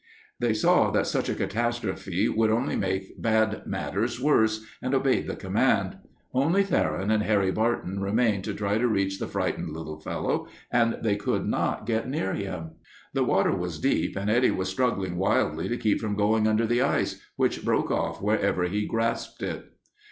They saw that such a catastrophe would only make bad matters worse and obeyed the command. Only Theron and Harry Barton remained to try to reach the frightened little fellow, and they could not get near him. The water was deep, and Eddie was struggling wildly to keep from going under the ice, which broke off wherever he grasped it.